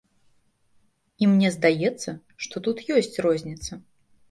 І мне здаецца, што тут ёсць розніца.